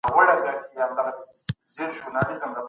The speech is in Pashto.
نارينه دي پردۍ حري ښځي ته نه ګوري.